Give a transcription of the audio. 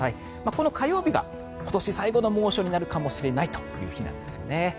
この火曜日が今年最後の猛暑になるかもしれないという日なんですよね。